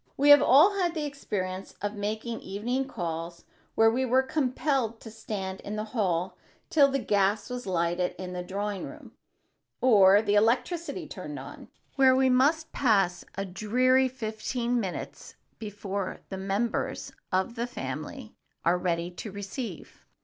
We have all had the experience of making evening calls where we were compelled to stand in the hall till the gas was lighted in the drawing room or the electricity turned on, where we must pass a dreary fifteen minutes before the members of the family are ready to receive.